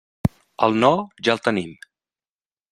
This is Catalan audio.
El no, ja el tenim.